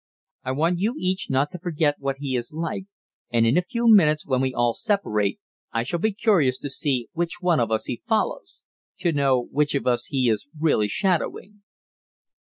I want you each not to forget what he is like, and in a few minutes, when we all separate, I shall be curious to see which of us he follows to know which of us he is really shadowing."